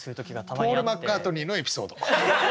ポール・マッカートニーのエピソード。